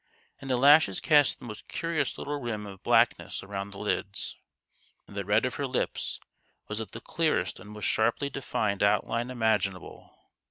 And the lashes cast the most curious little rim of black ness round the lids ; and the red of her lips was of the clearest and most sharply defined outline imaginable.